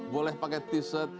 boleh pakai t shirt